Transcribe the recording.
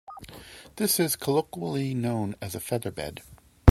This is colloquially known as a "featherbed".